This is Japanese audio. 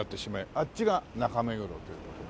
あっちが中目黒という事でね。